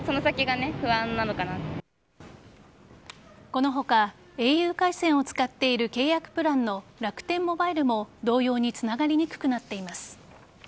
この他、ａｕ回線を使っている契約プランの楽天モバイルも同様につながりにくくなっています。